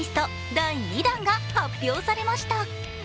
第２弾が発表されました。